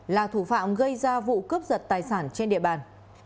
là thủ phạm gây ra vụ cướp giật tài sản trên địa bàn